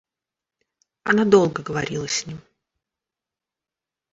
Она долго говорила с ним.